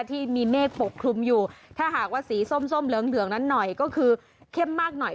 ที่มีเมฆปกคลุมอยู่ถ้าหากว่าสีส้มส้มเหลืองเหลืองนั้นหน่อยก็คือเข้มมากหน่อย